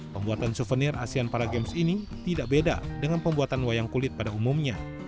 pembuatan souvenir asean para games ini tidak beda dengan pembuatan wayang kulit pada umumnya